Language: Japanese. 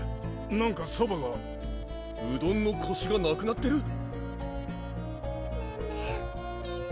なんかそばがうどんのコシがなくなってる⁉メンメン